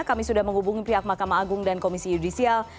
kami sudah menghubungi pihak mahkamah agung dan komisi yudisial